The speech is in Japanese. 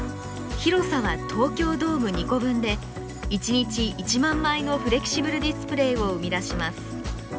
広さは東京ドーム２個分で１日１万枚のフレキシブルディスプレーを生み出します。